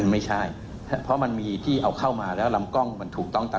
ไม่ใช่เพราะมันมีที่เอาเข้ามาแล้วลำกล้องมันถูกต้องตาม